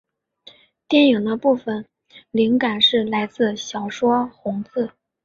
电影的部份灵感是来自小说红字。